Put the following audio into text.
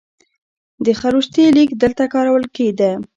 د خروشتي لیک دلته کارول کیده